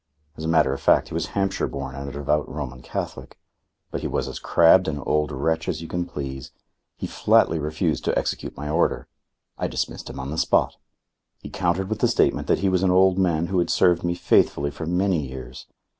As a matter of fact he was Hampshire born and a devout Roman Catholic. But he was as crabbed an old wretch as you can please. He flatly refused to execute my order. I dismissed him on the spot. He countered with the statement that he was an old man who had served me faithfully for many years.